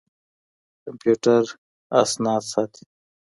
کمپيوټر اسناد ساتي.